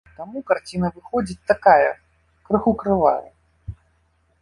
Таму карціна выходзіць такая, крыху крывая.